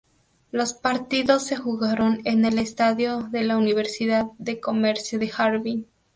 Los partidos se jugaron en el Estadio de la Universidad de Comercio de Harbin.